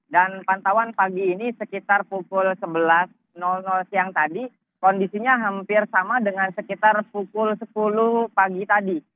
pantauan pagi ini sekitar pukul sebelas siang tadi kondisinya hampir sama dengan sekitar pukul sepuluh pagi tadi